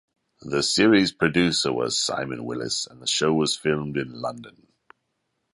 The Series Producer was Simon Willis and the show was filmed in London.